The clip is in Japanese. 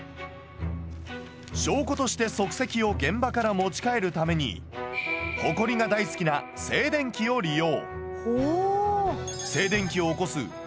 証拠として足跡を現場から持ち帰るためにホコリが大好きな静電気を利用。